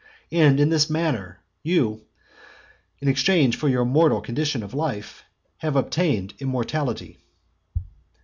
And in this manner you, in exchange for your mortal condition of life, have attained immortality.